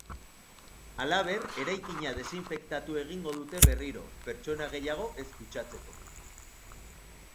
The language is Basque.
Halaber, eraikina desinfektatu egingo dute berriro, pertsona gehiago ez kutsatzeko.